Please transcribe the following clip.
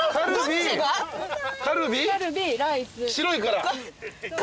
白いから。